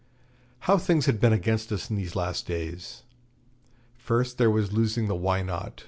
How things had been against us in these last days! First there was losing the Why Not?